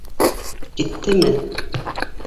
Киттеме?